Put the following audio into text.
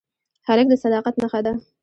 هلک د صداقت نښه ده.